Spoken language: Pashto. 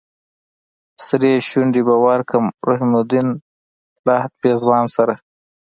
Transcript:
سرې شونډې به ورکړم رحم الدين لهد پېزوان سره